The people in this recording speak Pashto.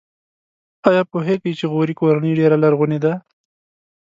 ایا پوهیږئ چې غوري کورنۍ ډېره لرغونې ده؟